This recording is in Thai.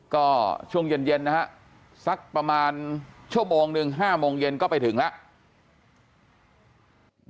ก็ช่วงเย็นนะฮะสักประมาณชั่วโมงหนึ่ง๕โมงเย็นก็ไปถึงแล้ว